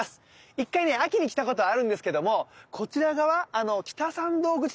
１回ね秋に来たことあるんですけどもこちら側北参道口というのは初めてです。